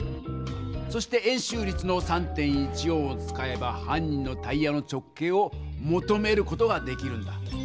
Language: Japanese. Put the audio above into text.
そして円周率の３．１４を使えば犯人のタイヤの直径をもとめる事ができるんだ。